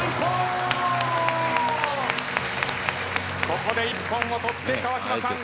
ここで一本を取って川島さん